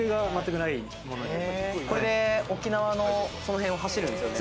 これで沖縄のその辺を走るんですよね。